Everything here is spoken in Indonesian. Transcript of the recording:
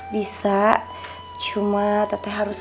minum efeknya lagi